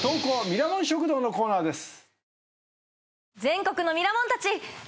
ミラモン食堂のコーナーです。